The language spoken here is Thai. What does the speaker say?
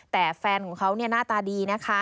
แต่แฟนของเขาหน้าตาดีนะคะ